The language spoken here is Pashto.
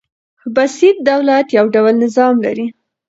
بسیط دولت يو ډول نظام لري.